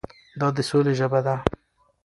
دا د سولې ژبه ده.